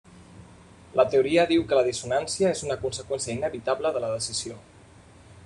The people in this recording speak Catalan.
La teoria diu que la dissonància és una conseqüència inevitable de la decisió.